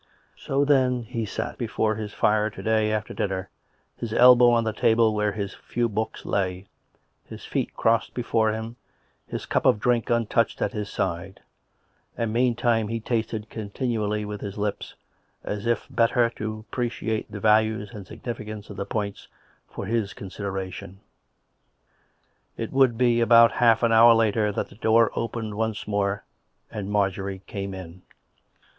So, then, he sat before his fire to day after dinner, his elbow on the table where his few books lay, his feet crossed before him, his cup of drink untouched at his side; and meantime he tasted continually with his lips, as if better to appreciate the values and significances of the points for his consid eration. It would be about half an hour later that the door opened once more and Marjorie came in again.